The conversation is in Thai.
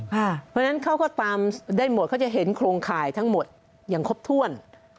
เพราะฉะนั้นเขาก็ตามได้หมดเขาจะเห็นโครงข่ายทั้งหมดอย่างครบถ้วน